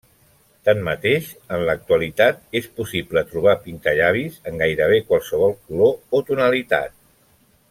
Tanmateix, en l'actualitat és possible trobar pintallavis en gairebé qualsevol color o tonalitat.